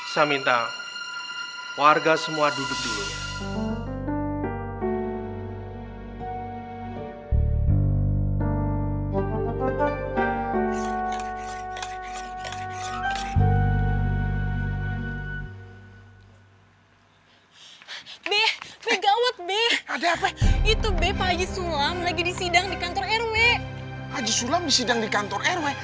saya minta warga semua duduk dulu